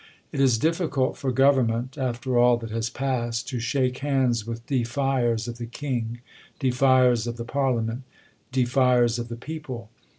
It is liifficult for. government, after all that has passed, to shake hands with defiers of the king, defiers of the par liament, defiers of the people.